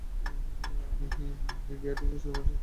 আমি বিয়ারিটজে তোমার সাথে মিথ্যা বলতে চাইনি।